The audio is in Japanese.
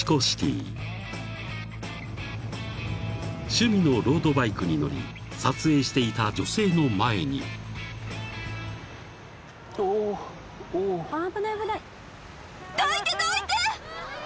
［趣味のロードバイクに乗り撮影していた女性の前に］どいてどいて！